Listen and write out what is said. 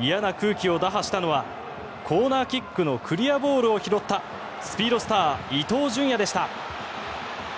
嫌な空気を打破したのはコーナーキックのクリアボールを拾ったスピードスター伊東純也でした。